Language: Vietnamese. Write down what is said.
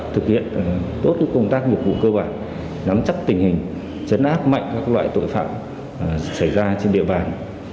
thực hiện tốt công tác nghiệp vụ cơ bản nắm chắc tình hình chấn áp mạnh các loại tội phạm xảy ra trên địa bàn